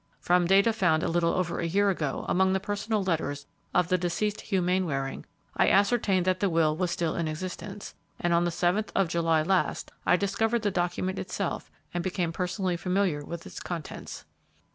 From data found a little over a year ago among the personal letters of the deceased Hugh Mainwaring, I ascertained that the will was still in existence, and on the 7th of July last I discovered the document itself and became personally familiar with its contents."